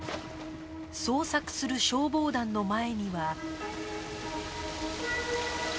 捜索する消防団の前には